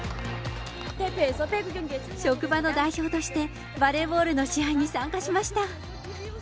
職場の代表として、バレーボールの試合に参加しました。